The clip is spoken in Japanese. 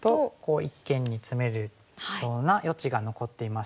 一間にツメるような余地が残っていまして。